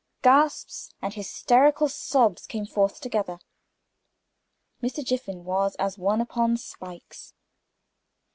Gasps and hysterical sobs came forth together. Mr. Jiffin was as one upon spikes.